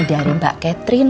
ini dari mbak catherine